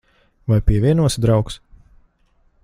Vai pievienosi, draugs?